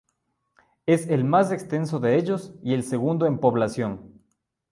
Es el más extenso de ellos y el segundo en población.